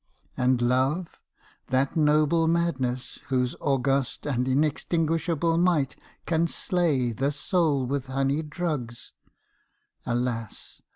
And Love! that noble madness, whose august And inextinguishable might can slay The soul with honeyed drugs,—alas!